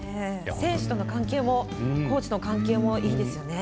選手との関係もコーチとの関係もいいですよね。